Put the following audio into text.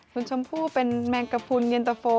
คุณชมพู่เป็นแมงกระพุนเย็นตะโฟ